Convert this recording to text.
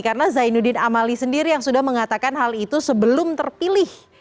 karena zainuddin amali sendiri yang sudah mengatakan hal itu sebelum terpilih